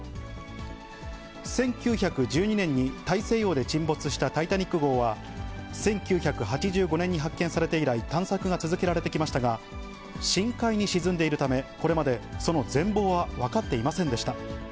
１９１２年に大西洋で沈没したタイタニック号は、１９８５年に発見されて以来、探索が続けられてきましたが、深海に沈んでいるため、これまでその全貌は分かっていませんでした。